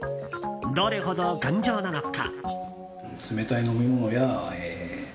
どれほど頑丈なのか。